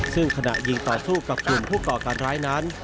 ซึ่งขณะยิงต่อสู้กับกลุ่มผู้ก่อการร้ายนั้น